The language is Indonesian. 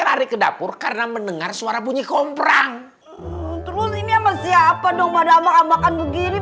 lari ke dapur karena mendengar suara bunyi komprang terus ini sama siapa dong ada makan makan begini